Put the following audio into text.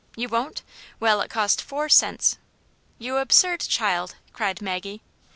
You won*t ? Well, it cost four cents." " You absurd child !'* cried Maggie.